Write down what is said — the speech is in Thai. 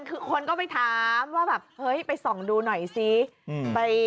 คือคนก็ไปถามว่าแบบเฮ้ยไปส่องดูหน่อยซิ